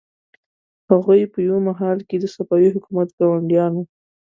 هغوی په یوه مهال کې د صفوي حکومت ګاونډیان وو.